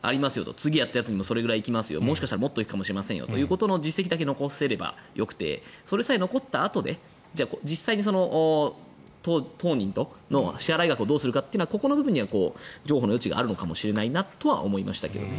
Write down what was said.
次やったやつにもそれくらいそれ以上行くかもしれないという実績さえ残せればよくてそれさえ残ったあとで実際に当人の支払額をどうするかというのはここの部分には譲歩の余地があるのかもしれないなとは思いましたけどね。